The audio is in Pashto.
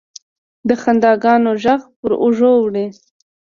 د خنداګانو، ږغ پر اوږو وړي